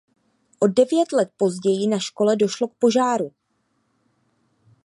O devět let později na škole došlo k požáru.